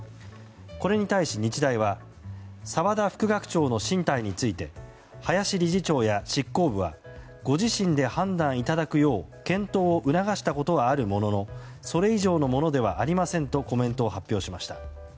これに対し日大は澤田副学長の進退について林理事長や執行部はご自身で判断いただくよう検討を促したことはあるもののそれ以上のものではありませんとコメントを発表しました。